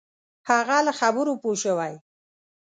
هغه له خبرو پوه شوی.